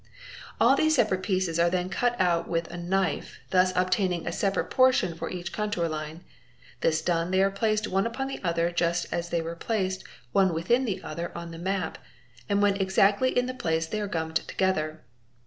All these separate pieces are then cut out with a knife, thus obtaining a separate portion for each contour line. This done, they are placed one upon the other just as they were placed one within the other on the me P and when exactly in place they are gummed together.